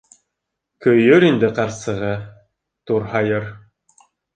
Көйөр инде ҡарсығы, турһайыр.